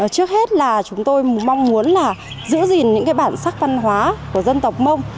trước hết là chúng tôi mong muốn là giữ gìn những cái bản sắc văn hóa của dân tộc mông